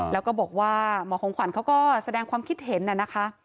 แล้วก็บอกว่าหมอของขวัญเขาก็แสดงความคิดเห็นน่ะนะคะ